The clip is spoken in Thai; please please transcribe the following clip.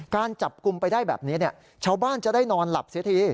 การจับกลุ่มไปได้แบบนี้ชาวบ้านจะได้นอนหลับเสียที